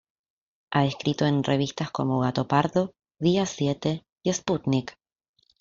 Ha escrito en revistas como "Gatopardo", "Día siete" y "Sputnik".